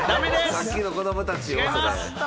さっきの子供たちや。